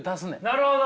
なるほど！